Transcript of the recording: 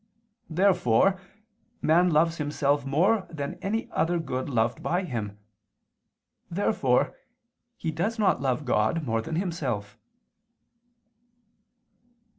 Therefore man loves himself more than any other good loved by him. Therefore he does not love God more than himself.